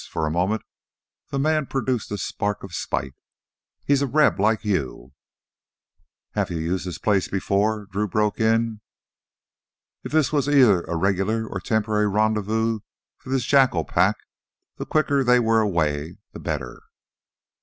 For a moment the man produced a spark of spite. "He's a Reb, like you " "Have you used this place before?" Drew broke in. If this were either a regular or temporary rendezvous for this jackal pack, the quicker they were away, the better.